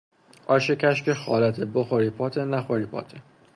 آش کشک خالته، بخوری پاته نخوری پاته